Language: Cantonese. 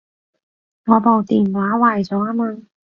我部電話壞咗吖嘛